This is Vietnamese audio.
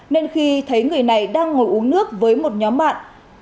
nên khi thấy người này đang ngồi uống nước với một nhóm bạn